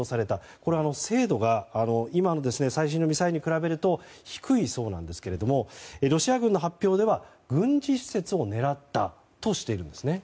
これは精度が今の最新のミサイルに比べると低いそうですがロシア軍の発表では、軍事施設を狙ったとしているんです。